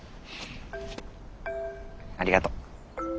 ありがとう。